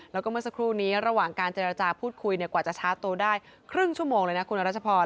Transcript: แล้วก็เมื่อสักครู่นี้ระหว่างการเจรจาพูดคุยกว่าจะช้าตัวได้ครึ่งชั่วโมงเลยนะคุณรัชพร